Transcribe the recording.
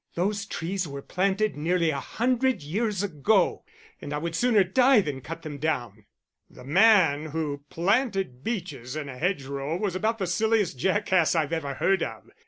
Those trees were planted nearly a hundred years ago, and I would sooner die than cut them down." "The man who planted beeches in a hedgerow was about the silliest jackass I've ever heard of.